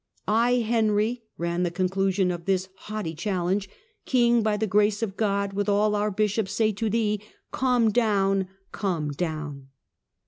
" I, Henry," ran the conclusion of this haughty challenge, " king by the grace of God, with all our bishops, say to thee, 'Come down, come down.'"